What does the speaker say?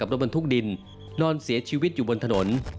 รถบรรทุกดินนอนเสียชีวิตอยู่บนถนน